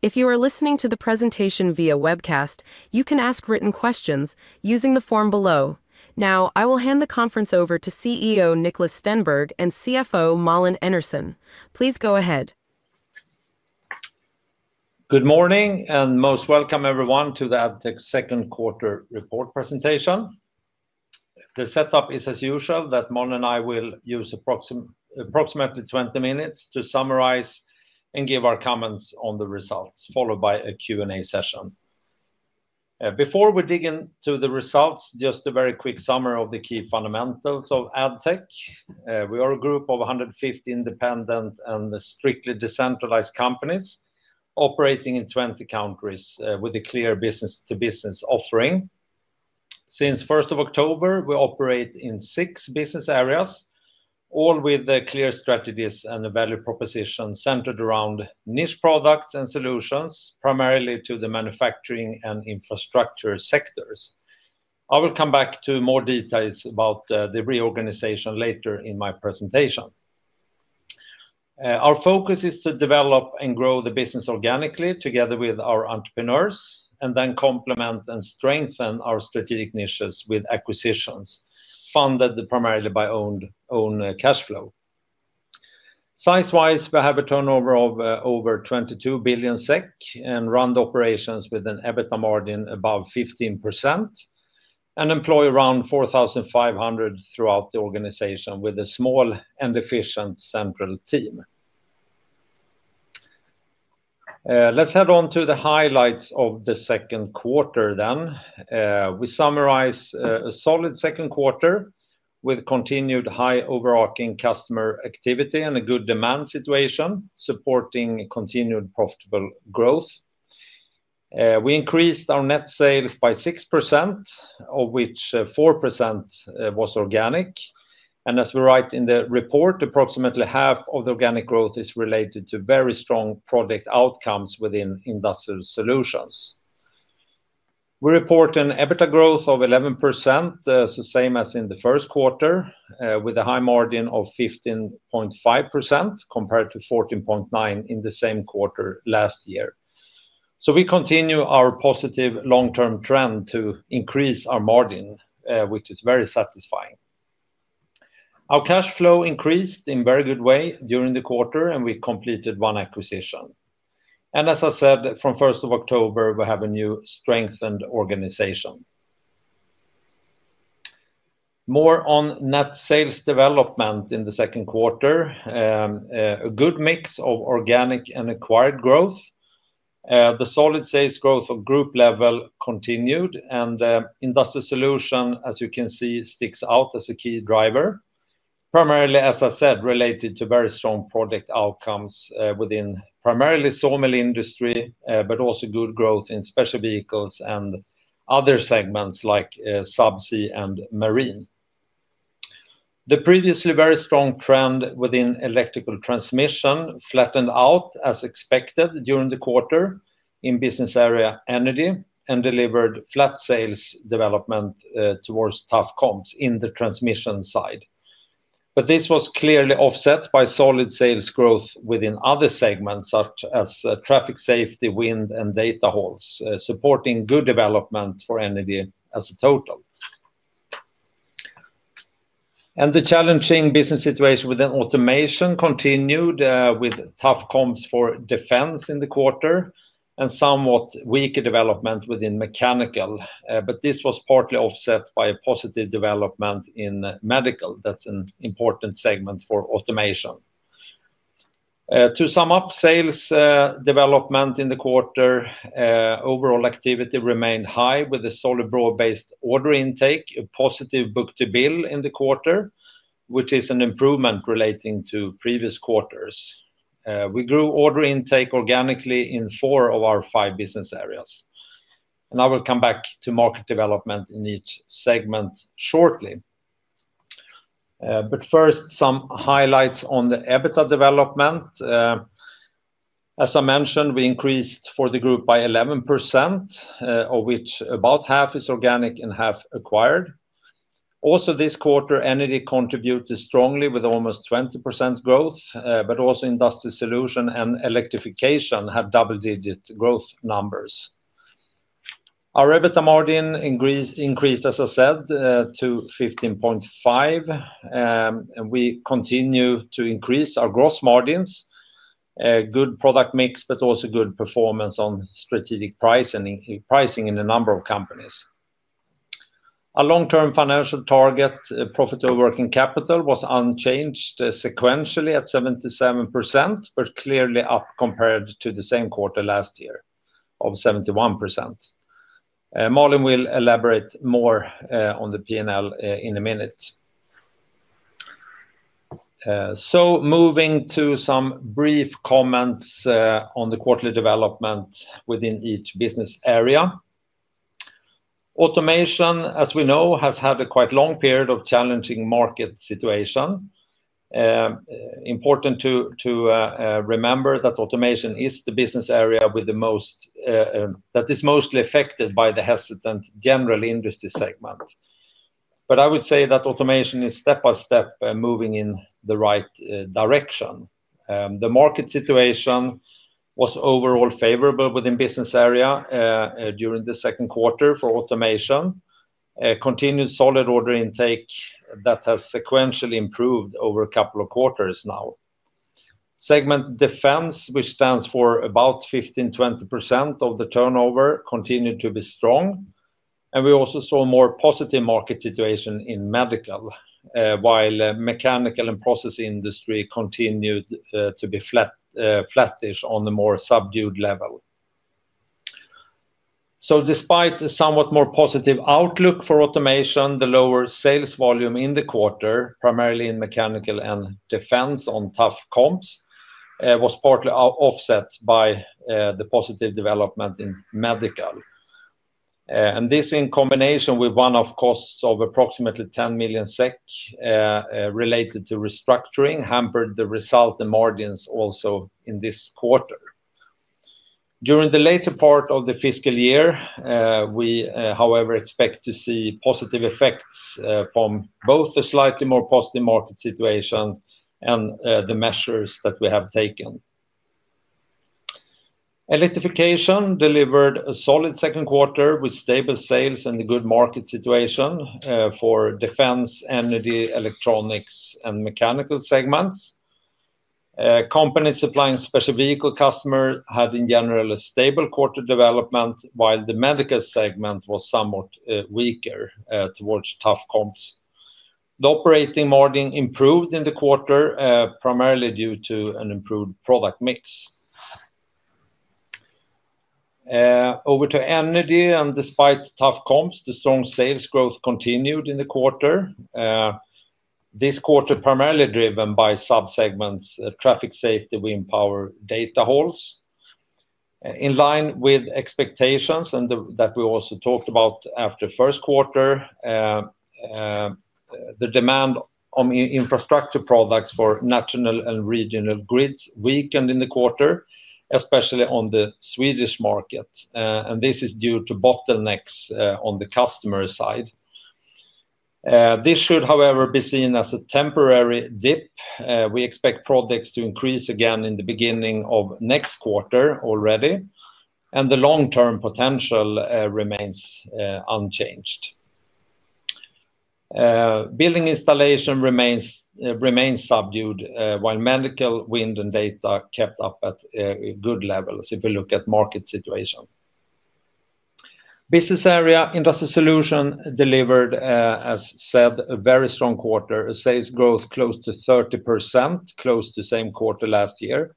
If you are listening to the presentation via webcast, you can ask written questions using the form below. Now, I will hand the conference over to CEO Niklas Stenberg and CFO Malin Enarson. Please go ahead. Good morning and most welcome, everyone, to the Addtech AB second quarter report presentation. The setup is as usual that Malin Enarson and I will use approximately 20 minutes to summarize and give our comments on the results, followed by a Q&A session. Before we dig into the results, just a very quick summary of the key fundamentals of Addtech AB. We are a group of 150 independent and strictly decentralized companies operating in 20 countries with a clear business-to-business offering. Since 1st of October, we operate in six business areas, all with clear strategies and a value proposition centered around niche products and solutions, primarily to the manufacturing and infrastructure sectors. I will come back to more details about the reorganization later in my presentation. Our focus is to develop and grow the business organically together with our entrepreneurs, and then complement and strengthen our strategic initiatives with acquisitions funded primarily by own cash flow. Size-wise, we have a turnover of over 22 billion SEK and run operations with an EBITDA margin above 15% and employ around 4,500 throughout the organization with a small and efficient central team. Let's head on to the highlights of the second quarter then. We summarize a solid second quarter with continued high overarching customer activity and a good demand situation supporting continued profitable growth. We increased our net sales by 6%, of which 4% was organic. As we write in the report, approximately half of the organic growth is related to very strong project outcomes within industrial solutions. We report an EBITDA growth of 11%, same as in the first quarter, with a high margin of 15.5% compared to 14.9% in the same quarter last year. We continue our positive long-term trend to increase our margin, which is very satisfying. Our cash flow increased in a very good way during the quarter, and we completed one acquisition. As I said, from 1st of October, we have a new strengthened organization. More on net sales development in the second quarter, a good mix of organic and acquired growth. The solid sales growth at group level continued, and industrial solutions, as you can see, sticks out as a key driver. Primarily, as I said, related to very strong project outcomes within primarily sawmill sector, but also good growth in special vehicles and other segments like subsea and marine. The previously very strong trend within electrical transmission flattened out as expected during the quarter in business area energy and delivered flat sales development towards tough comps in the transmission side. This was clearly offset by solid sales growth within other segments such as traffic safety, wind, and data halls, supporting good development for energy as a total. The challenging business situation within automation continued with tough comps for defense in the quarter and somewhat weaker development within mechanical, but this was partly offset by a positive development in medical. That's an important segment for automation. To sum up, sales development in the quarter, overall activity remained high with a solid broad-based order intake, a positive book-to-bill in the quarter, which is an improvement relating to previous quarters. We grew order intake organically in four of our five business areas. I will come back to market development in each segment shortly. First, some highlights on the EBITDA development. As I mentioned, we increased for the group by 11%, of which about half is organic and half acquired. Also, this quarter, energy contributed strongly with almost 20% growth, but also industrial solutions and electrification had double-digit growth numbers. Our EBITDA margin increased, as I said, to 15.5%, and we continue to increase our gross margins. Good product mix, but also good performance on strategic pricing in a number of companies. Our long-term financial target, profit over working capital, was unchanged sequentially at 77%, but clearly up compared to the same quarter last year of 71%. Malin Enarson will elaborate more on the P&L in a minute. Moving to some brief comments on the quarterly development within each business area. Automation, as we know, has had a quite long period of challenging market situation. Important to remember that automation is the business area that is mostly affected by the hesitant general industry segment. I would say that automation is step-by-step moving in the right direction. The market situation was overall favorable within the business area during the second quarter for automation. Continued solid order intake that has sequentially improved over a couple of quarters now. Segment defense, which stands for about 15%-20% of the turnover, continued to be strong. We also saw a more positive market situation in medical, while the mechanical and process industry continued to be flattish on the more subdued level. Despite a somewhat more positive outlook for automation, the lower sales volume in the quarter, primarily in mechanical and defense on tough comps, was partly offset by the positive development in medical. This, in combination with run-off costs of approximately 10 million SEK related to restructuring, hampered the resulting margins also in this quarter. During the later part of the fiscal year, we, however, expect to see positive effects from both the slightly more positive market situation and the measures that we have taken. Electrification delivered a solid second quarter with stable sales and a good market situation for defense, energy, electronics, and mechanical segments. Companies supplying special vehicle customers had, in general, a stable quarter development, while the medical segment was somewhat weaker towards tough comps. The operating margin improved in the quarter, primarily due to an improved product mix. Over to energy, despite tough comps, the strong sales growth continued in the quarter. This quarter was primarily driven by subsegments: traffic safety, wind power, data halls. In line with expectations that we also talked about after the first quarter, the demand on infrastructure products for national and regional grids weakened in the quarter, especially on the Swedish market. This is due to bottlenecks on the customer side. This should, however, be seen as a temporary dip. We expect projects to increase again in the beginning of next quarter already, and the long-term potential remains unchanged. Building installation remains subdued, while medical, wind, and data kept up at good levels if we look at the market situation. Business area industrial solutions delivered, as said, a very strong quarter, a sales growth close to 30%, close to the same quarter last year.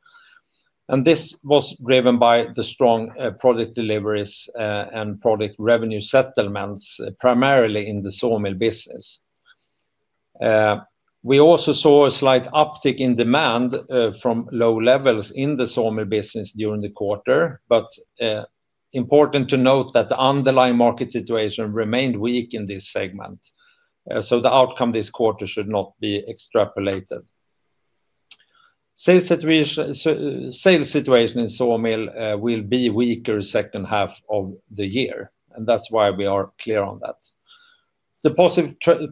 This was driven by the strong project deliveries and project revenue settlements, primarily in the sawmill business. We also saw a slight uptick in demand from low levels in the sawmill business during the quarter, but it is important to note that the underlying market situation remained weak in this segment. The outcome this quarter should not be extrapolated. Sales situation in sawmill will be weaker the second half of the year, and that's why we are clear on that. The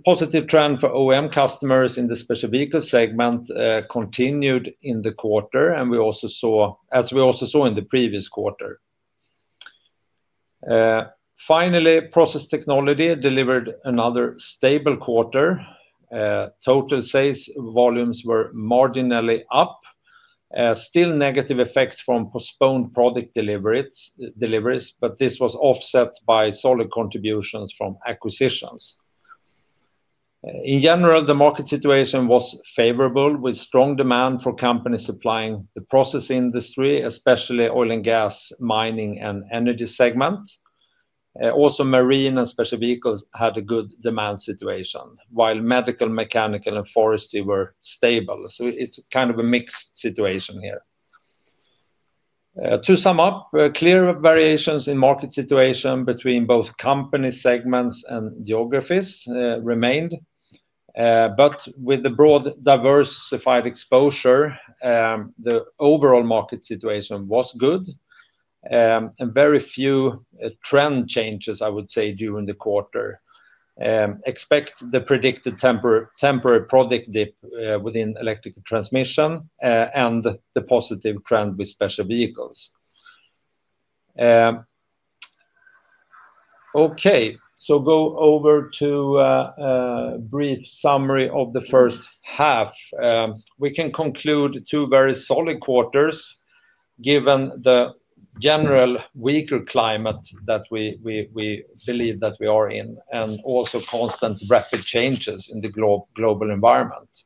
positive trend for OEM customers in the special vehicle segment continued in the quarter, as we also saw in the previous quarter. Finally, process technology delivered another stable quarter. Total sales volumes were marginally up, still negative effects from postponed project deliveries, but this was offset by solid contributions from acquisitions. In general, the market situation was favorable, with strong demand for companies supplying the process industry, especially oil and gas, mining, and energy segment. Also, marine and special vehicles had a good demand situation, while medical, mechanical, and forestry were stable. It's kind of a mixed situation here. To sum up, clear variations in market situation between both company segments and geographies remained, but with the broad diversified exposure, the overall market situation was good. Very few trend changes, I would say, during the quarter. Expect the predicted temporary project dip within electrical transmission and the positive trend with special vehicles. Okay, go over to a brief summary of the first half. We can conclude two very solid quarters given the general weaker climate that we believe that we are in, and also constant rapid changes in the global environment.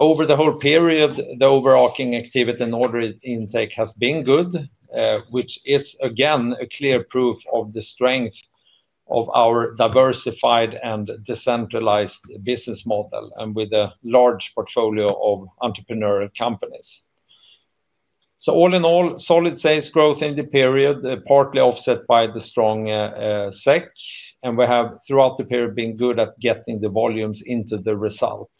Over the whole period, the overarching activity and order intake has been good, which is again a clear proof of the strength of our diversified and decentralized business model and with a large portfolio of entrepreneurial companies. All in all, solid sales growth in the period, partly offset by the strong SEK, and we have throughout the period been good at getting the volumes into the result.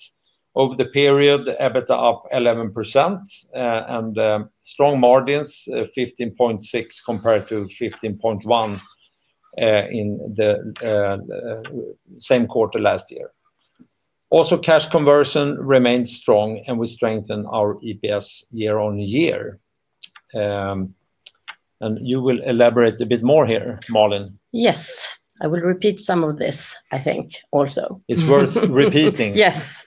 Over the period, EBITDA up 11% and strong margins, 15.6% compared to 15.1% in the same quarter last year. Also, cash conversion remains strong, and we strengthen our EPS year-on-year. You will elaborate a bit more here, Malin. Yes, I will repeat some of this, I think also. It's worth repeating. Yes.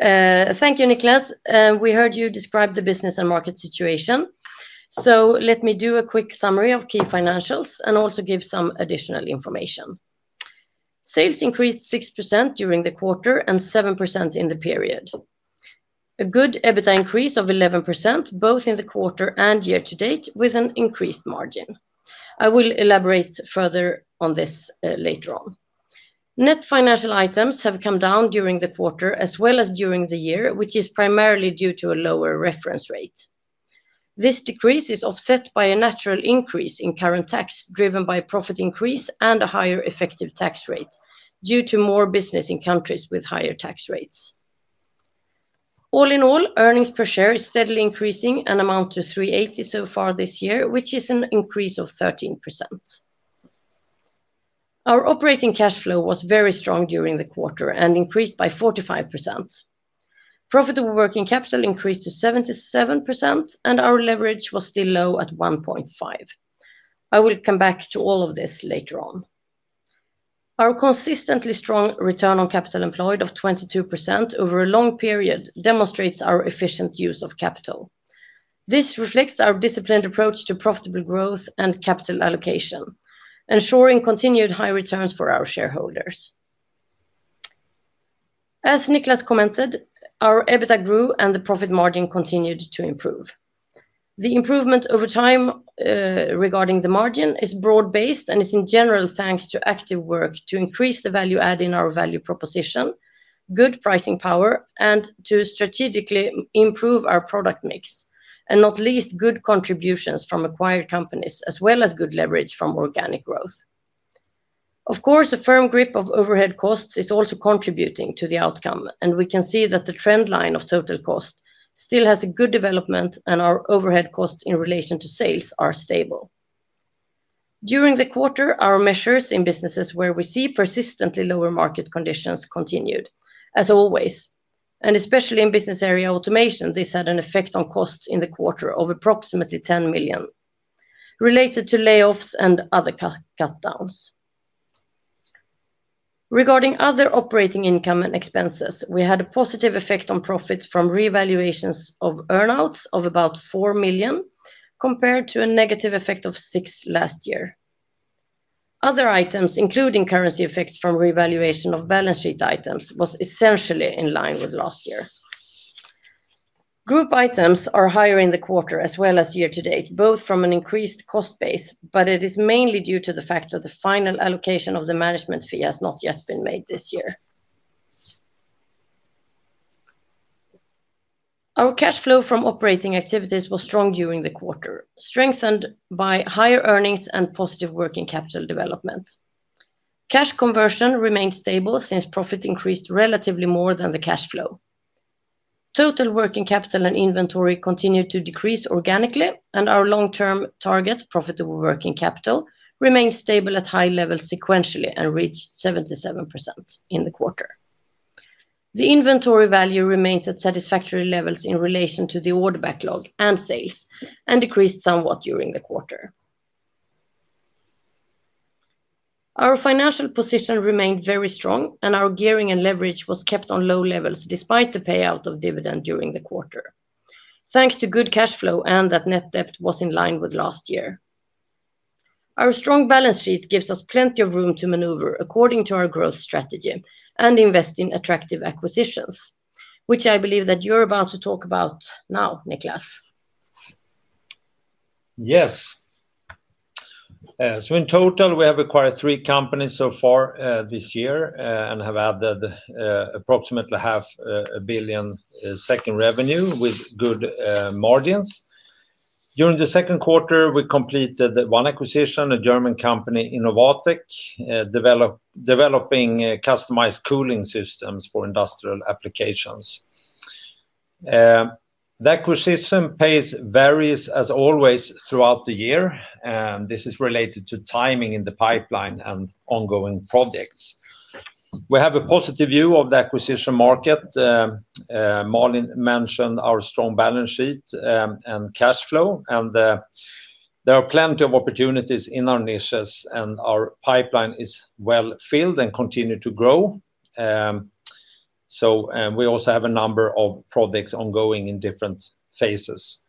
Thank you, Niklas. We heard you describe the business and market situation. Let me do a quick summary of key financials and also give some additional information. Sales increased 6% during the quarter and 7% in the period. A good EBITDA increase of 11%, both in the quarter and year to date, with an increased margin. I will elaborate further on this later on. Net financial items have come down during the quarter as well as during the year, which is primarily due to a lower reference rate. This decrease is offset by a natural increase in current tax, driven by a profit increase and a higher effective tax rate due to more business in countries with higher tax rates. All in all, earnings per share is steadily increasing and amount to 3.80 so far this year, which is an increase of 13%. Our operating cash flow was very strong during the quarter and increased by 45%. Profitable working capital increased to 77%, and our leverage was still low at 1.5x. I will come back to all of this later on. Our consistently strong return on capital employed of 22% over a long period demonstrates our efficient use of capital. This reflects our disciplined approach to profitable growth and capital allocation, ensuring continued high returns for our shareholders. As Niklas commented, our EBITDA grew and the profit margin continued to improve. The improvement over time regarding the margin is broad-based and is in general thanks to active work to increase the value add in our value proposition, good pricing power, and to strategically improve our product mix, and not least good contributions from acquired companies as well as good leverage from organic growth. Of course, a firm grip of overhead costs is also contributing to the outcome, and we can see that the trend line of total cost still has a good development and our overhead costs in relation to sales are stable. During the quarter, our measures in businesses where we see persistently lower market conditions continued, as always, and especially in business area automation, this had an effect on costs in the quarter of approximately 10 million related to layoffs and other cutdowns. Regarding other operating income and expenses, we had a positive effect on profits from revaluations of earnouts of about 4 million compared to a negative effect of 6 million last year. Other items, including currency effects from revaluation of balance sheet items, were essentially in line with last year. Group items are higher in the quarter as well as year to date, both from an increased cost base, but it is mainly due to the fact that the final allocation of the management fee has not yet been made this year. Our cash flow from operating activities was strong during the quarter, strengthened by higher earnings and positive working capital development. Cash conversion remains stable since profit increased relatively more than the cash flow. Total working capital and inventory continue to decrease organically, and our long-term target, profitable working capital, remains stable at high levels sequentially and reached 77% in the quarter. The inventory value remains at satisfactory levels in relation to the order backlog and sales and decreased somewhat during the quarter. Our financial position remained very strong, and our gearing and leverage were kept on low levels despite the payout of dividend during the quarter, thanks to good cash flow and that net debt was in line with last year. Our strong balance sheet gives us plenty of room to maneuver according to our growth strategy and invest in attractive acquisitions, which I believe that you're about to talk about now, Niklas. Yes. In total, we have acquired three companies so far this year and have added approximately 0.5 billion in revenue with good margins. During the second quarter, we completed one acquisition, a German company, Innovatec, developing customized cooling systems for industrial applications. The acquisition pace varies, as always, throughout the year, and this is related to timing in the pipeline and ongoing projects. We have a positive view of the acquisition market. Malin mentioned our strong balance sheet and cash flow, and there are plenty of opportunities in our niches, and our pipeline is well-filled and continues to grow. We also have a number of projects ongoing in different phases.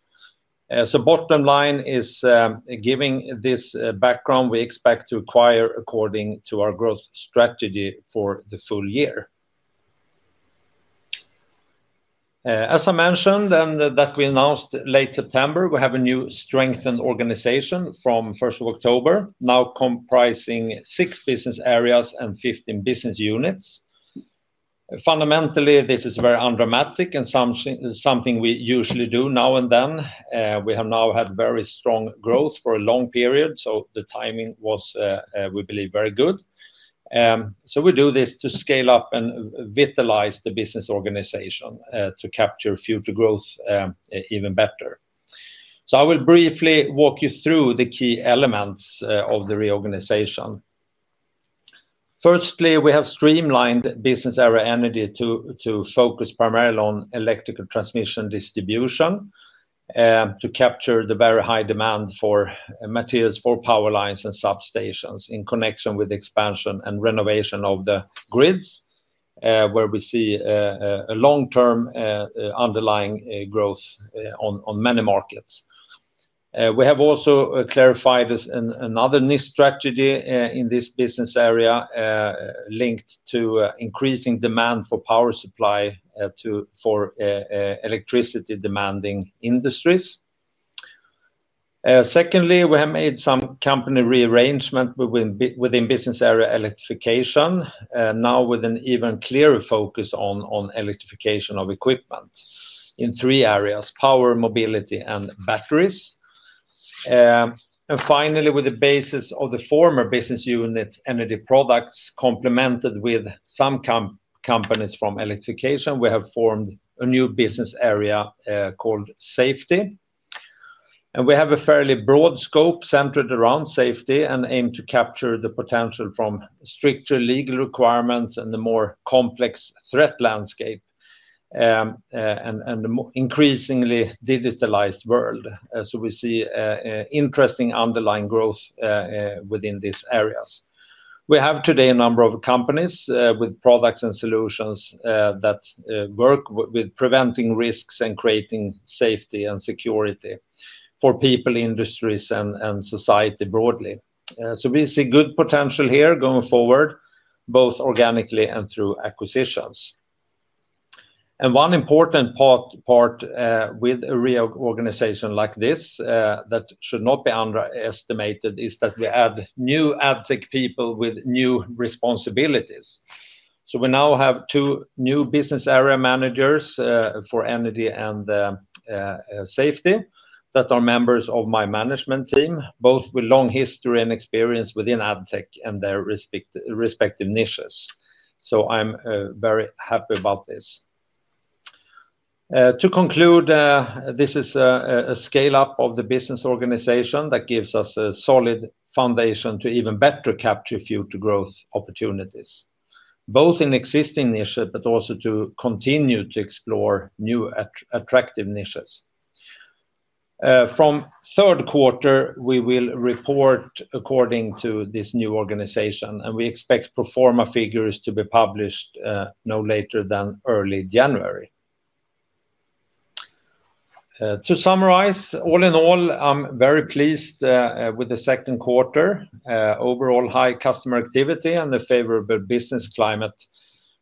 The bottom line is, given this background, we expect to acquire according to our growth strategy for the full year. As I mentioned, and that we announced late September, we have a new strengthened organization from October 1, now comprising six business areas and 15 business units. Fundamentally, this is very undramatic and something we usually do now and then. We have now had very strong growth for a long period, so the timing was, we believe, very good. We do this to scale up and vitalize the business organization to capture future growth even better. I will briefly walk you through the key elements of the reorganization. Firstly, we have streamlined business area Energy to focus primarily on electrical transmission distribution to capture the very high demand for materials for power lines and substations in connection with the expansion and renovation of the grids, where we see long-term underlying growth on many markets. We have also clarified another niche strategy in this business area linked to increasing demand for power supply for electricity-demanding industries. Secondly, we have made some company rearrangement within business area Electrification, now with an even clearer focus on electrification of equipment in three areas: power, mobility, and batteries. Finally, with the basis of the former business unit, Energy Products, complemented with some companies from Electrification, we have formed a new business area called Safety. We have a fairly broad scope centered around safety and aim to capture the potential from stricter legal requirements and the more complex threat landscape and the increasingly digitalized world. We see interesting underlying growth within these areas. We have today a number of companies with products and solutions that work with preventing risks and creating safety and security for people, industries, and society broadly. We see good potential here going forward, both organically and through acquisitions. One important part with a reorganization like this that should not be underestimated is that we add new Addtech people with new responsibilities. We now have two new Business Area Managers for Energy and Safety that are members of my management team, both with long history and experience within Addtech and their respective niches. I'm very happy about this. To conclude, this is a scale-up of the business organization that gives us a solid foundation to even better capture future growth opportunities, both in existing niches but also to continue to explore new attractive niches. From third quarter, we will report according to this new organization, and we expect pro forma figures to be published no later than early January. To summarize, all in all, I'm very pleased with the second quarter. Overall, high customer activity and a favorable business climate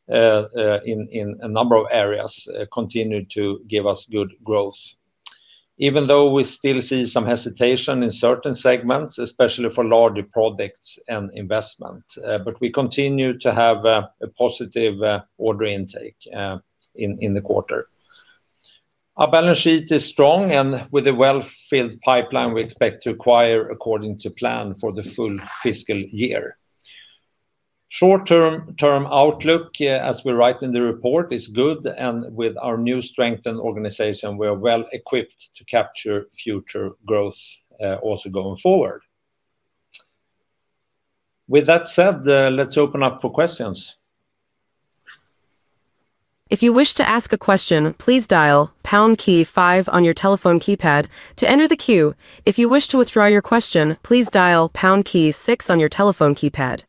in a number of areas continue to give us good growth, even though we still see some hesitation in certain segments, especially for larger projects and investment. We continue to have a positive order intake in the quarter. Our balance sheet is strong, and with a well-filled pipeline, we expect to acquire according to plan for the full fiscal year. Short-term outlook, as we write in the report, is good, and with our new strengthened organization, we are well-equipped to capture future growth also going forward. With that said, let's open up for questions. If you wish to ask a question, please dial pound key five on your telephone keypad to enter the queue. If you wish to withdraw your question, please dial pound key six on your telephone keypad.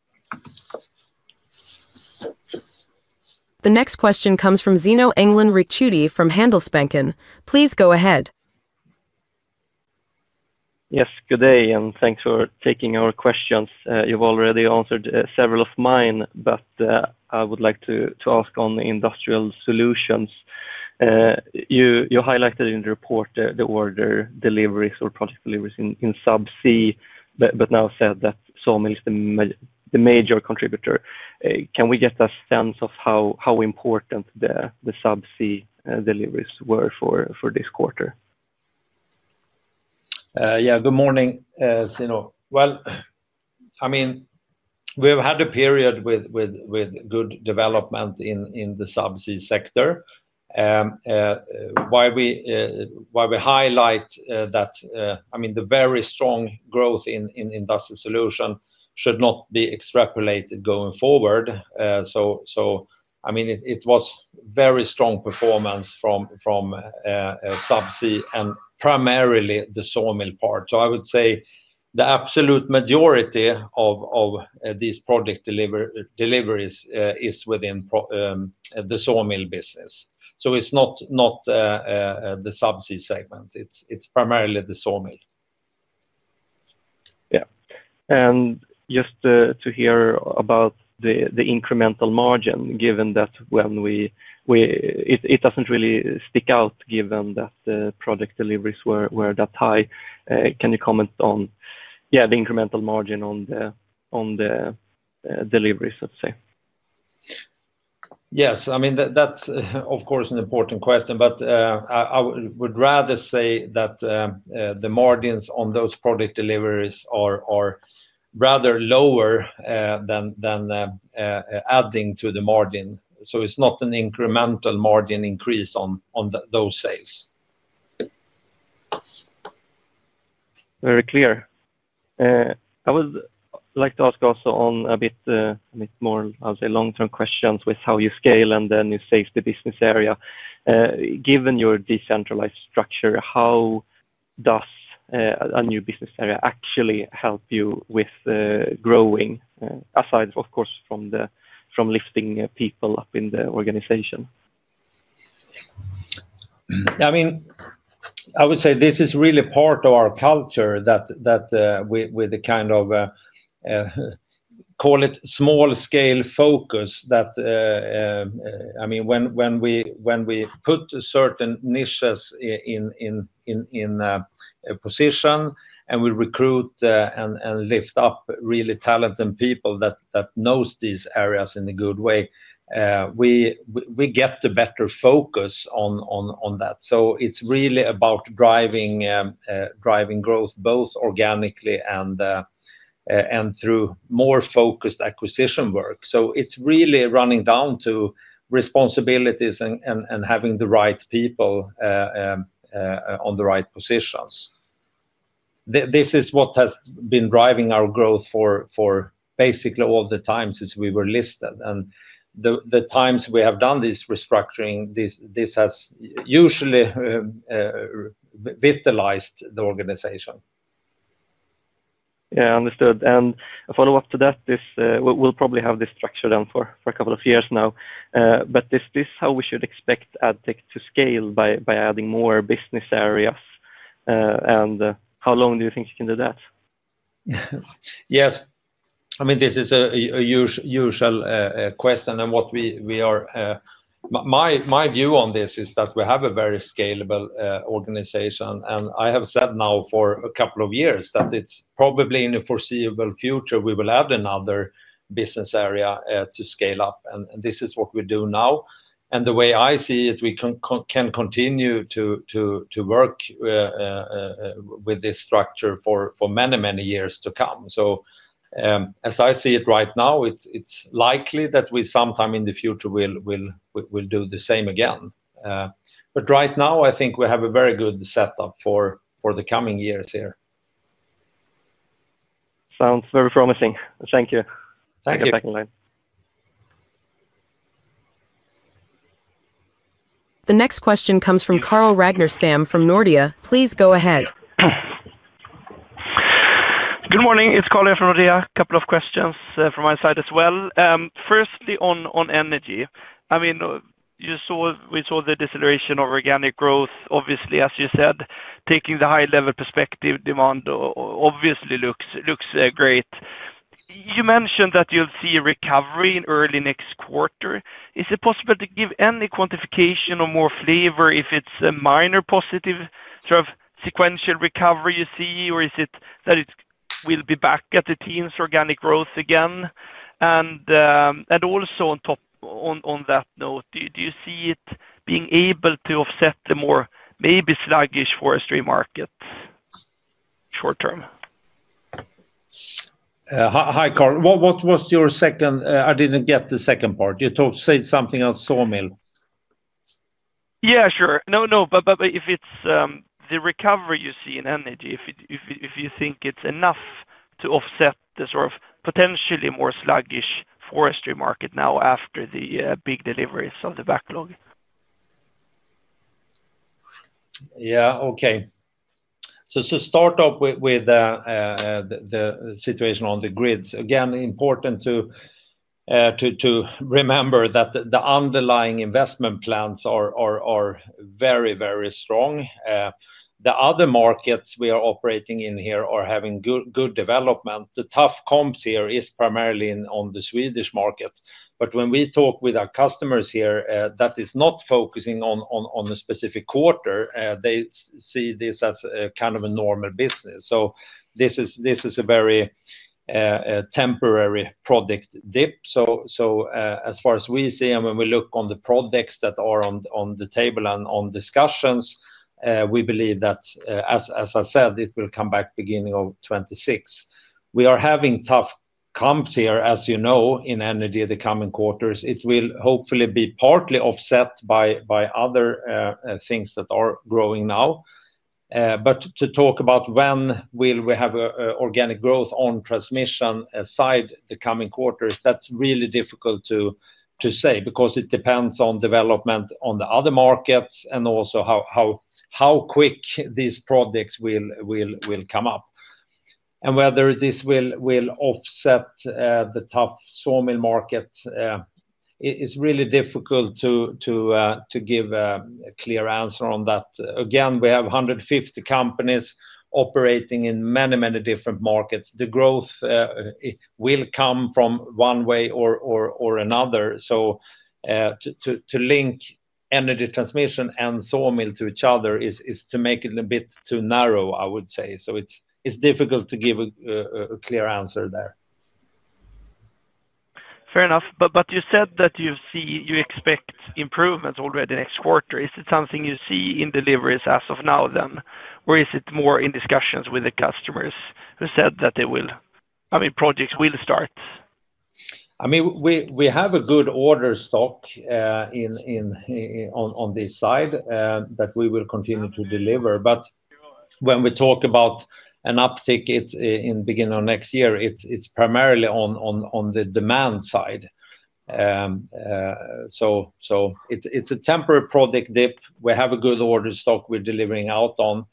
The next question comes from Zino Englund-Ricciuti from Handelsbanken. Please go ahead. Yes, good day, and thanks for taking our questions. You've already answered several of mine, but I would like to ask on industrial solutions. You highlighted in the report the order deliveries or project deliveries in subsea, but now said that sawmill is the major contributor. Can we get a sense of how important the subsea deliveries were for this quarter? Good morning, Zino. We've had a period with good development in the subsea sector. The very strong growth in industrial solutions should not be extrapolated going forward. It was very strong performance from subsea and primarily the sawmill part. I would say the absolute majority of these project deliveries is within the sawmill business. It's not the subsea segment. It's primarily the sawmill. Yeah, just to hear about the incremental margin, given that it doesn't really stick out given that the project deliveries were that high. Can you comment on the incremental margin on the deliveries, let's say? Yes, I mean, that's of course an important question. I would rather say that the margins on those project deliveries are rather lower than adding to the margin. It's not an incremental margin increase on those sales. Very clear. I would like to ask also on a bit more, I'll say, long-term questions with how you scale and then you save the business area. Given your decentralized structure, how does a new business area actually help you with growing, aside, of course, from lifting people up in the organization? Yeah, I mean, I would say this is really part of our culture that with the kind of, call it, small-scale focus that, I mean, when we put certain niches in a position and we recruit and lift up really talented people that know these areas in a good way, we get a better focus on that. It's really about driving growth both organically and through more focused acquisition work. It's really running down to responsibilities and having the right people in the right positions. This is what has been driving our growth for basically all the time since we were listed. The times we have done this restructuring, this has usually vitalized the organization. Understood. A follow-up to that is we'll probably have this structure for a couple of years now. Is this how we should expect Addtech AB to scale by adding more business areas? How long do you think you can do that? Yes, I mean, this is a usual question. What we are, my view on this is that we have a very scalable organization. I have said now for a couple of years that it's probably in the foreseeable future we will add another business area to scale up. This is what we do now. The way I see it, we can continue to work with this structure for many, many years to come. As I see it right now, it's likely that we sometime in the future will do the same again. Right now, I think we have a very good setup for the coming years here. Sounds very promising. Thank you. Thank you. The next question comes from Carl Ragnestam from Nordea. Please go ahead. Good morning. It's Carl here from Nordea. A couple of questions from my side as well. Firstly, on energy. I mean, we saw the deceleration of organic growth, obviously, as you said. Taking the high-level perspective, demand obviously looks great. You mentioned that you'll see a recovery in early next quarter. Is it possible to give any quantification or more flavor if it's a minor positive sort of sequential recovery you see, or is it that it will be back at the team's organic growth again? Also, on that note, do you see it being able to offset the more maybe sluggish forestry market short term? Hi, Carl. What was your second? I didn't get the second part. You said something on sawmill. No, but if it's the recovery you see in energy, if you think it's enough to offset the sort of potentially more sluggish forestry market now after the big deliveries on the backlog. Okay. To start off with the situation on the grids, again, important to remember that the underlying investment plans are very, very strong. The other markets we are operating in here are having good development. The tough comps here are primarily on the Swedish market. When we talk with our customers here that is not focusing on a specific quarter, they see this as kind of a normal business. This is a very temporary project dip. As far as we see, and when we look on the projects that are on the table and on discussions, we believe that, as I said, it will come back at the beginning of 2026. We are having tough comps here, as you know, in energy in the coming quarters. It will hopefully be partly offset by other things that are growing now. To talk about when we will have organic growth on transmission aside the coming quarters, that's really difficult to say because it depends on development on the other markets and also how quick these projects will come up. Whether this will offset the tough sawmill market, it's really difficult to give a clear answer on that. We have 150 companies operating in many, many different markets. The growth will come from one way or another. To link energy transmission and sawmill to each other is to make it a bit too narrow, I would say. It's difficult to give a clear answer there. Fair enough. You said that you expect improvements already next quarter. Is it something you see in deliveries as of now, or is it more in discussions with the customers who said that they will, I mean, projects will start? We have a good order stock on this side that we will continue to deliver. When we talk about an uptick in the beginning of next year, it's primarily on the demand side. It's a temporary project dip. We have a good order stock we're delivering out on.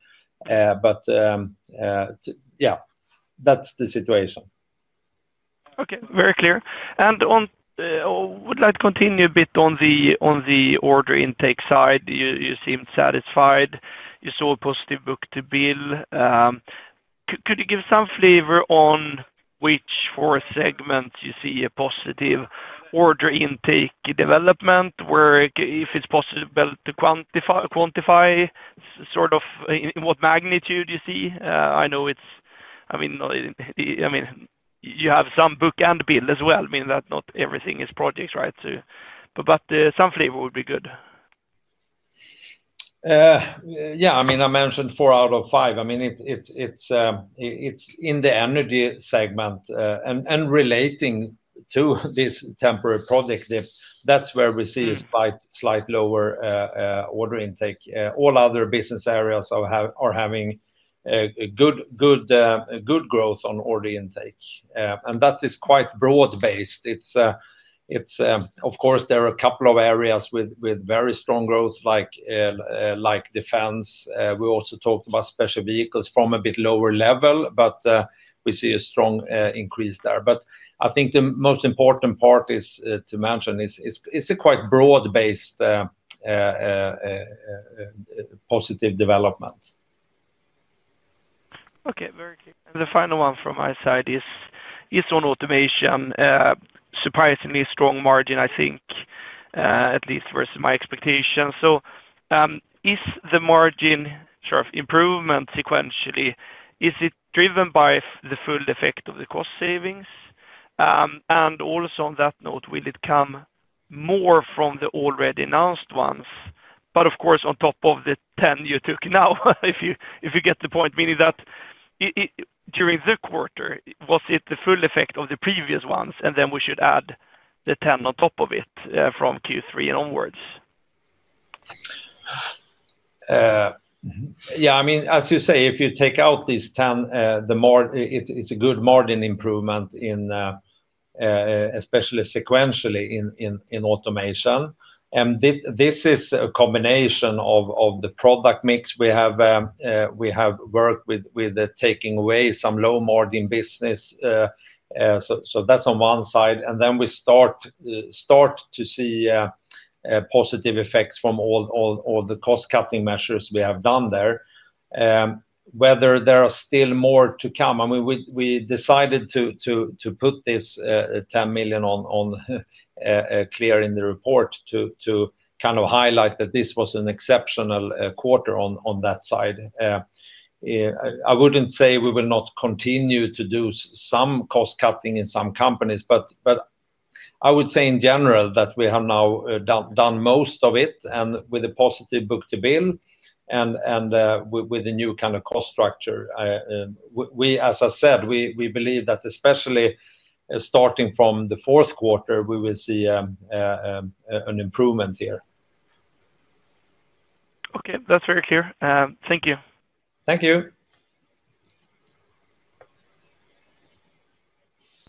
That's the situation. Okay, very clear. I would like to continue a bit on the order intake side. You seemed satisfied. You saw a positive book-to-bill. Could you give some flavor on which forest segments you see a positive order intake development, where if it's possible to quantify sort of in what magnitude you see? I know you have some book and bill as well. I mean, not everything is projects, right? Some flavor would be good. Yeah, I mean, I mentioned four out of five. I mean, it's in the energy segment, and relating to this temporary project dip, that's where we see a slight lower order intake. All other business areas are having good growth on order intake, and that is quite broad-based. Of course, there are a couple of areas with very strong growth, like defense. We also talked about special vehicles from a bit lower level, but we see a strong increase there. I think the most important part to mention is it's a quite broad-based positive development. Okay, very clear. The final one from my side is on automation. Surprisingly strong margin, I think, at least versus my expectation. Is the margin sort of improvement sequentially, is it driven by the full effect of the cost savings? Also on that note, will it come more from the already announced ones? Of course, on top of the 10 you took now, if you get the point, meaning that during the quarter, was it the full effect of the previous ones and then we should add the 10 on top of it from Q3 and onwards? Yeah, I mean, as you say, if you take out these 10 million, it's a good margin improvement, especially sequentially in automation. This is a combination of the product mix. We have worked with taking away some low margin business, so that's on one side. Then we start to see positive effects from all the cost-cutting measures we have done there. Whether there are still more to come, I mean, we decided to put this 10 million on clear in the report to kind of highlight that this was an exceptional quarter on that side. I wouldn't say we will not continue to do some cost-cutting in some companies, but I would say in general that we have now done most of it, and with a positive book-to-bill and with a new kind of cost structure. We, as I said, we believe that especially starting from the fourth quarter, we will see an improvement here. Okay, that's very clear. Thank you. Thank you.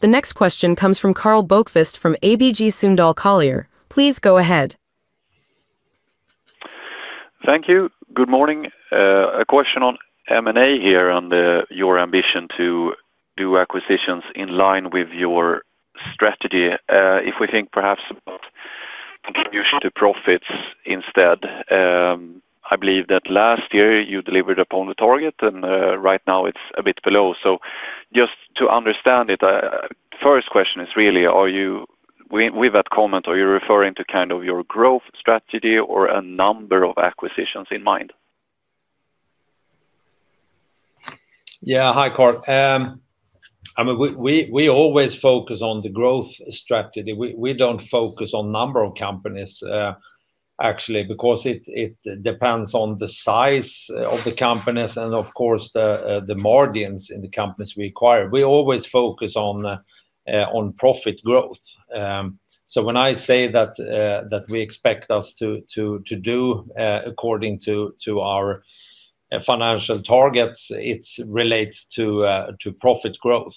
The next question comes from Karl Bokvist from ABG Sundal Collier. Please go ahead. Thank you. Good morning. A question on M&A activity here and your ambition to do acquisitions in line with your strategy. If we think perhaps about contribution to profits instead, I believe that last year you delivered upon the target, and right now it's a bit below. Just to understand it, the first question is really, with that comment, are you referring to kind of your growth strategy or a number of acquisitions in mind? Yeah, hi, Karl. I mean, we always focus on the growth strategy. We don't focus on the number of companies, actually, because it depends on the size of the companies and, of course, the margins in the companies we acquire. We always focus on profit growth. When I say that we expect us to do according to our financial targets, it relates to profit growth.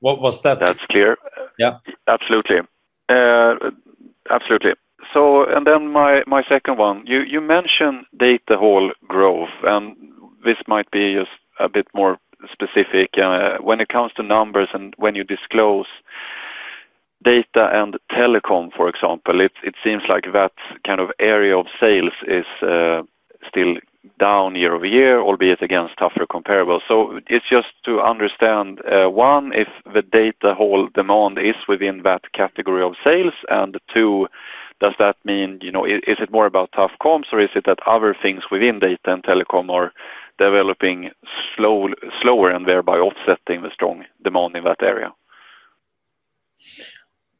What was that? That's clear. Yeah. Absolutely. Absolutely. My second one, you mentioned data hall growth, and this might be just a bit more specific. When it comes to numbers and when you disclose data and telecom, for example, it seems like that kind of area of sales is still down year-over-year, albeit against tougher comparables. It's just to understand, one, if the data hall demand is within that category of sales, and two, does that mean, you know, is it more about tough comps or is it that other things within data and telecom are developing slower and thereby offsetting the strong demand in that area?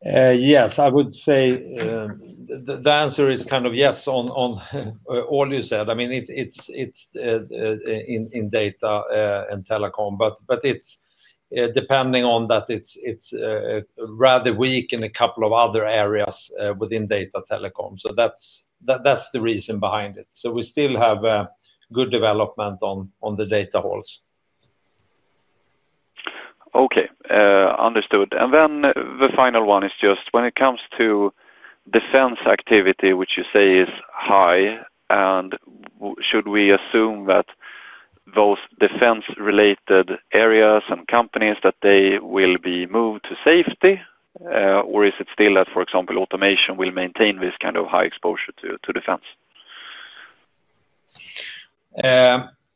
Yes, I would say the answer is kind of yes on all you said. I mean, it's in data and telecom, but it's depending on that it's rather weak in a couple of other areas within data telecom. That's the reason behind it. We still have good development on the data halls. Okay, understood. The final one is just when it comes to defense activity, which you say is high. Should we assume that those defense-related areas and companies, that they will be moved to safety, or is it still that, for example, automation will maintain this kind of high exposure to defense?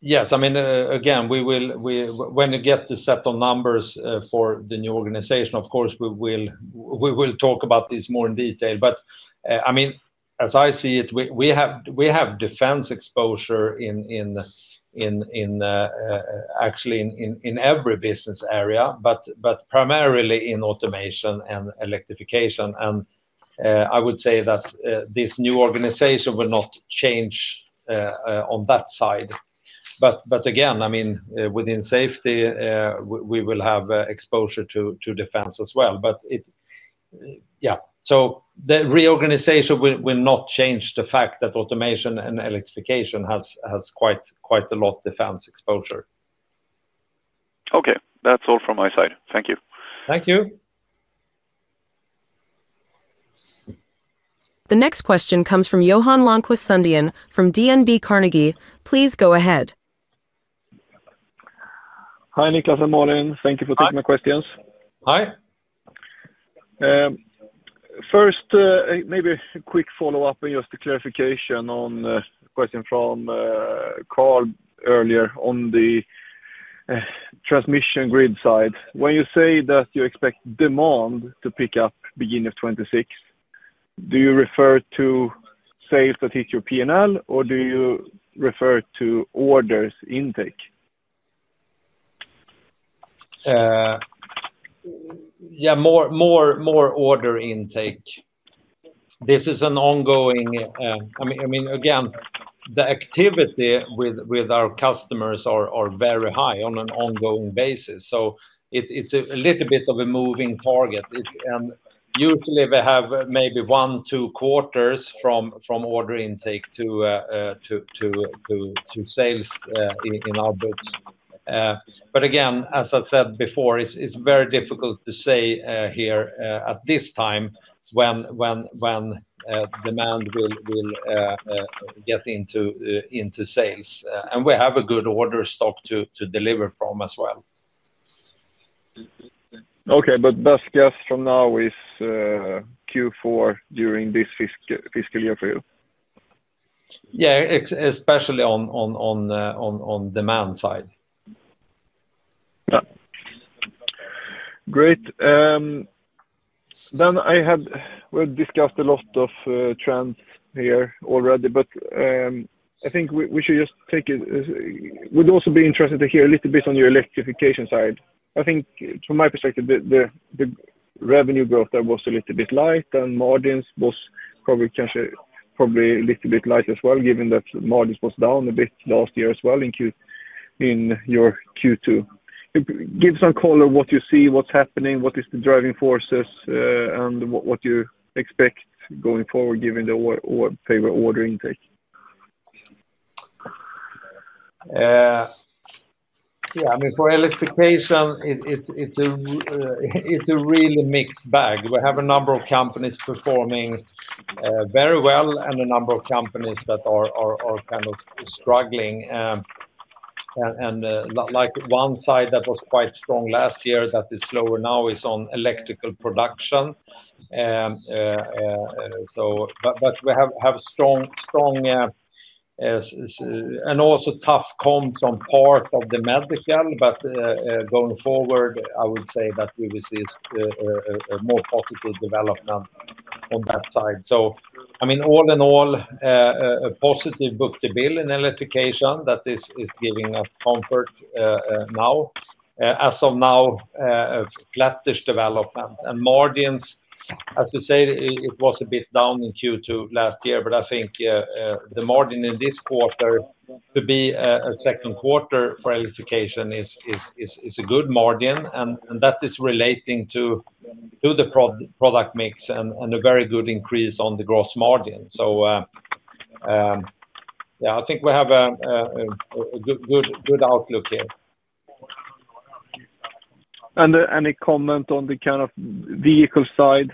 Yes, I mean, again, when we get to set on numbers for the new organization, of course, we will talk about this more in detail. I mean, as I see it, we have defense exposure actually in every business area, but primarily in automation and electrification. I would say that this new organization will not change on that side. Again, within safety, we will have exposure to defense as well. The reorganization will not change the fact that automation and electrification has quite a lot of defense exposure. Okay, that's all from my side. Thank you. Thank you. The next question comes from Johan Lankvist Sundén from DNB Carnegie. Please go ahead. Hi, Niklas and Malin. Thank you for taking my questions. Hi. First, maybe a quick follow-up and just a clarification on a question from Karl earlier on the transmission grid side. When you say that you expect demand to pick up beginning of 2026, do you refer to sales that hit your P&L or do you refer to orders intake? Yeah, more order intake. This is ongoing, I mean, again, the activity with our customers is very high on an ongoing basis. It's a little bit of a moving target. Usually, we have maybe one, two quarters from order intake to sales in our books. As I said before, it's very difficult to say here at this time when demand will get into sales. We have a good order stock to deliver from as well. Okay, best guess from now is Q4 during this fiscal year for you? Yeah, especially on the demand side. Great. We've discussed a lot of trends here already, but I think we should just take it. We'd also be interested to hear a little bit on your electrification side. I think from my perspective, the revenue growth there was a little bit light, and margins were probably a little bit light as well, given that the margins were down a bit last year as well in your Q2. Give us a call on what you see, what's happening, what is the driving forces, and what you expect going forward, given the favorable order intake. Yeah, I mean, for electrification, it's a really mixed bag. We have a number of companies performing very well and a number of companies that are kind of struggling. One side that was quite strong last year that is slower now is on electrical production. We have strong and also tough comps on part of the medical. Going forward, I would say that we will see a more positive development on that side. All in all, a positive book-to-bill in electrification that is giving us comfort now. As of now, plattish development. Margins, as we say, it was a bit down in Q2 last year, but I think the margin in this quarter to be a second quarter for electrification is a good margin. That is relating to the product mix and a very good increase on the gross margin. Yeah, I think we have a good outlook here. have any comment on the kind of vehicle side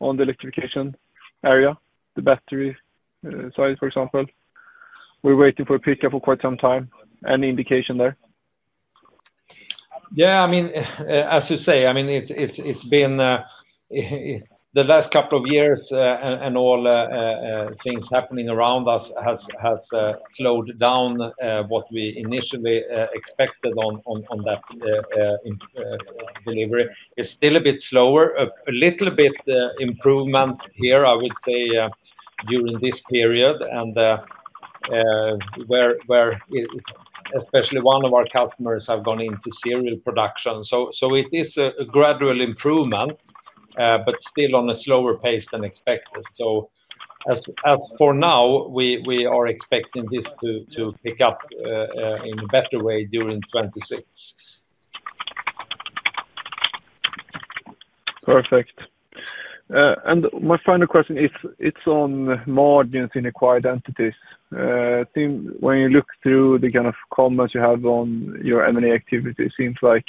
in the electrification area, the battery side, for example? We're waiting for a pickup for quite some time. Any indication there? Yeah, I mean, as you say, it's been the last couple of years and all things happening around us have slowed down what we initially expected on that delivery. It's still a bit slower, a little bit improvement here, I would say, during this period. Especially one of our customers has gone into serial production. It is a gradual improvement, but still on a slower pace than expected. As for now, we are expecting this to pick up in a better way during 2026. Perfect. My final question is on margins in acquired entities. I think when you look through the kind of comments you have on your M&A activity, it seems like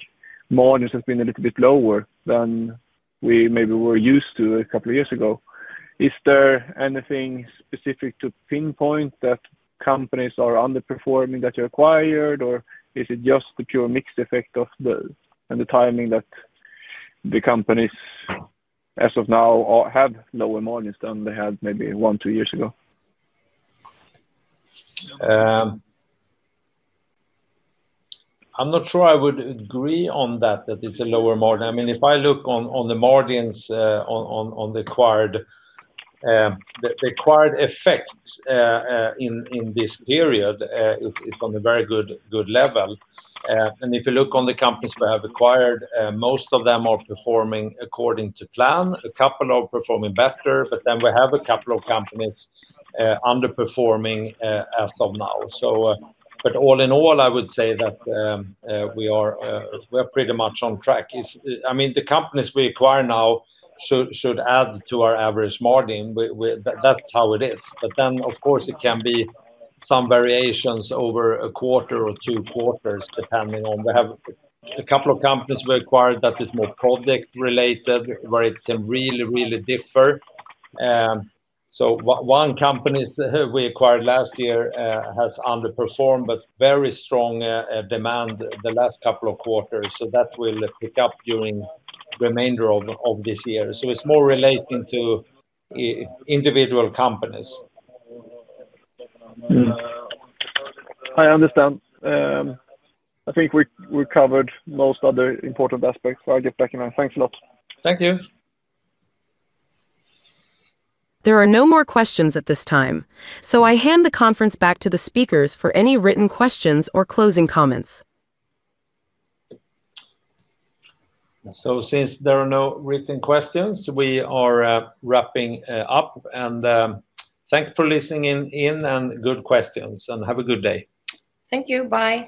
margins have been a little bit lower than we maybe were used to a couple of years ago. Is there anything specific to pinpoint that companies are underperforming that you acquired, or is it just the pure mixed effect of the timing that the companies as of now have lower margins than they had maybe one, two years ago? I'm not sure I would agree on that, that it's a lower margin. I mean, if I look on the margins on the acquired effect in this period, it's on a very good level. If you look on the companies we have acquired, most of them are performing according to plan. A couple are performing better, but we have a couple of companies underperforming as of now. All in all, I would say that we are pretty much on track. I mean, the companies we acquire now should add to our average margin. That's how it is. Of course, it can be some variations over a quarter or two quarters, depending on we have a couple of companies we acquired that is more project-related, where it can really, really differ. One company we acquired last year has underperformed, but very strong demand the last couple of quarters. That will pick up during the remainder of this year. It's more relating to individual companies. I understand. I think we covered most other important aspects, so I give recognize. Thanks a lot. Thank you. There are no more questions at this time. I hand the conference back to the speakers for any written questions or closing comments. There are no written questions, we are wrapping up. Thanks for listening in and good questions. Have a good day. Thank you. Bye.